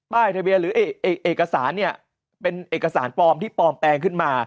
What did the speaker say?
ทะเบียนหรือเอกสารเนี่ยเป็นเอกสารปลอมที่ปลอมแปลงขึ้นมา